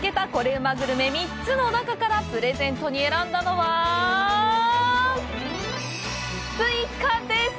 うまグルメ３つの中からプレゼントに選んだのはスイカです！